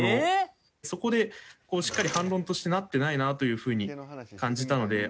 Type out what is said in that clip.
そこで、しっかり反論としてなってないなというふうに感じたので。